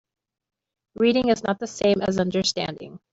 Reading is not the same as understanding.